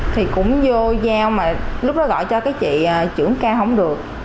thì cũng vô giao mà lúc đó gọi cho cái chị trưởng ca không được